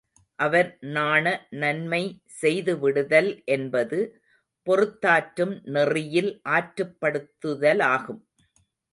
அவர் நாண நன்மை செய்துவிடுதல் என்பது பொறுத்தாற்றும் நெறியில் ஆற்றுப் படுத்துதலாகும்.